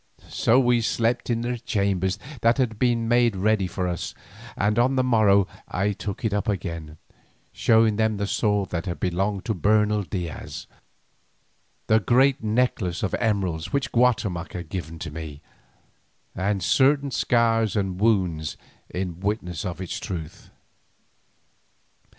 So we slept in the chambers that had been made ready for us, and on the morrow I took it up again, showing them the sword that had belonged to Bernal Diaz, the great necklace of emeralds which Guatemoc had given to me, and certain scars and wounds in witness of its truth.